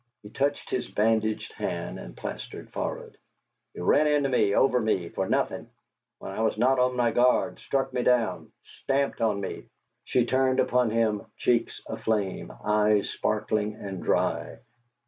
He touched his bandaged hand and plastered forehead. "He ran into me over me for nothing, when I was not on my guard; struck me down stamped on me " She turned upon him, cheeks aflame, eyes sparkling and dry.